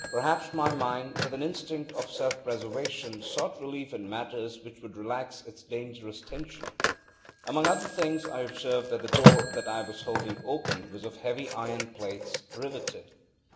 Perhaps my mind, with an instinct of self preservation, sought relief in matters which would relax its dangerous tension. Among other things, I observed that the door that I was holding open was of heavy iron plates, riveted.